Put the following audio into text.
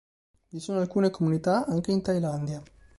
Vi sono alcune comunità anche in Thailandia.